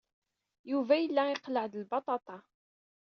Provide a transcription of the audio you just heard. Yuba yella iqelleɛ-d lbaṭaṭa.